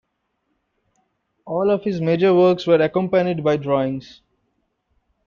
All of his major works were accompanied by drawings.